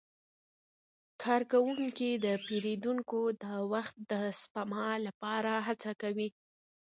کارکوونکي د پیرودونکو د وخت د سپما لپاره هڅه کوي.